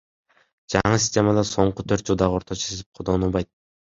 Жаңы системада соңку төрт жылдагы орточо эсеп колдонулбайт.